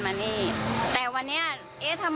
มันเป็นแบบที่สุดท้าย